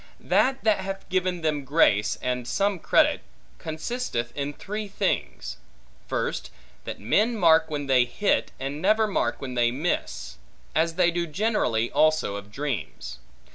That that hath given them grace, and some credit, consisteth in three things. First, that men mark when they hit, and never mark when they miss; as they do generally also of dreams.